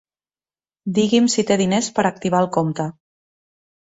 Digui'm si té diners per activar el compte.